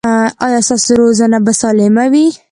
ایا ستاسو روزنه به سالمه وي؟